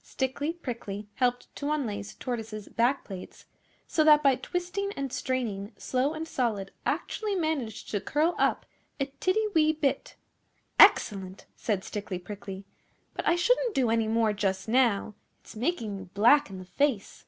Stickly Prickly helped to unlace Tortoise's back plates, so that by twisting and straining Slow and Solid actually managed to curl up a tiddy wee bit. 'Excellent!' said Stickly Prickly; 'but I shouldn't do any more just now. It's making you black in the face.